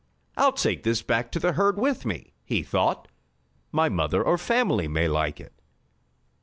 "I'll take this back to the herd with me," he thought. "My mother or father may like it.